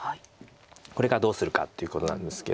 これがどうするかっていうことなんですけど。